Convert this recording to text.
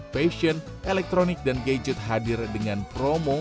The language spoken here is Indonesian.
fashion elektronik dan gadget hadir dengan promo